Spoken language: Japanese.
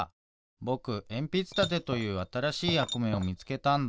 ぼくえんぴつたてというあたらしいやくめをみつけたんだ。